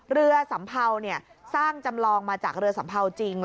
สัมเภาสร้างจำลองมาจากเรือสัมเภาจริง